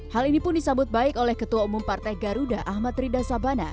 hal ini pun disambut baik oleh ketua umum partai garuda ahmad rida sabana